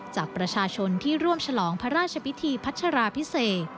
จากประชาชนที่ร่วมฉลองพระราชพิธีพัชราพิเศษ